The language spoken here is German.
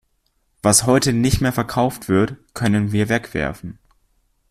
Was heute nicht mehr verkauft wird, können wir wegwerfen.